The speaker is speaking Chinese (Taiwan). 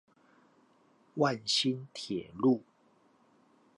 萬新鐵路